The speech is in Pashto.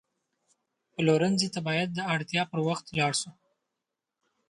پلورنځي ته باید د اړتیا پر وخت لاړ شو.